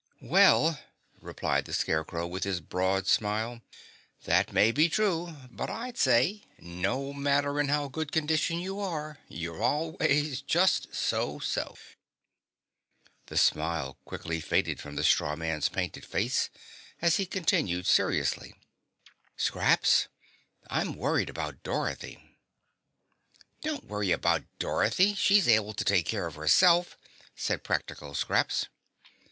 "Well," replied the Scarecrow, with his broad smile, "that may be true, but I'd say no matter in how good condition you are, you're always just sew sew." The smile quickly faded from the straw man's painted face as he continued seriously, "Scraps, I'm worried about Dorothy." "Don't worry about Dorothy; she's able to take care of herself," said practical Scraps.